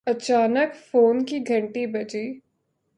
اچانک فون کی گھنٹی بجی